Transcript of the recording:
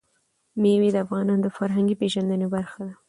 مېوې د افغانانو د فرهنګي پیژندنې برخه ده.